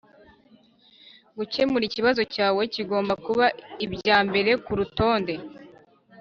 gukemura ikibazo cyawe bigomba kuba ibya mbere kurutonde.